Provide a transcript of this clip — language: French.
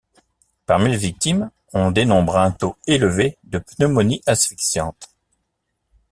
Parmi les victimes, on dénombre un taux élevé de pneumonies asphyxiantes.